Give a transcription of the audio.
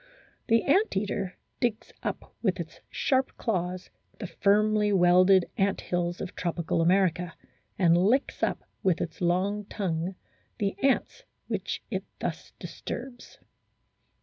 The ant eater digs up with its sharp claws the firmly welded ant hills of tropical America, and licks up with its long tongue the ants which it thus disturbs.